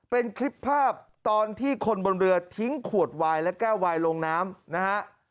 เป็นคลิปภาพตอนที่คนบนเรือทิ้งขวดวายและแก้ววายลงน้ำนะฮะ